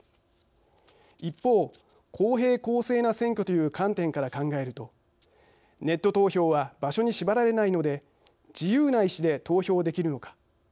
一方、公平・公正な選挙という観点から考えるとネット投票は場所に縛られないので自由な意思で投票できるのか。